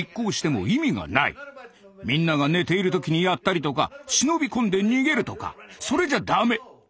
みんなが寝ている時にやったりとか忍び込んで逃げるとかそれじゃ駄目。